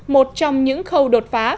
một trong những khâu đột phá